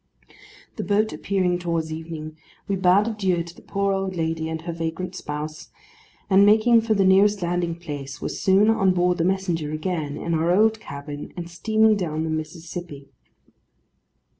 The boat appearing towards evening, we bade adieu to the poor old lady and her vagrant spouse, and making for the nearest landing place, were soon on board The Messenger again, in our old cabin, and steaming down the Mississippi.